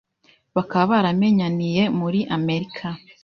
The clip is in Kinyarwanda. bakaba baramenyaniye muri america